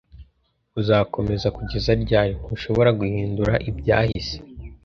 Uzakomeza kugeza ryari? Ntushobora guhindura ibyahise.